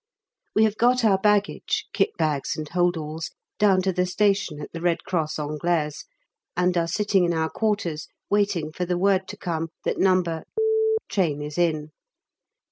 We have got our baggage (kit bags and holdalls) down to the station at the Red Cross Anglaise, and are sitting in our quarters waiting for the word to come that No. train is in.